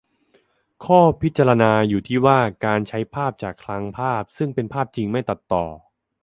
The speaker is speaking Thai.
ข้อพิจารณาจะอยู่ที่ว่า การใช้ภาพจากคลังภาพ ซึ่งเป็นภาพจริง-ไม่ตัดต่อ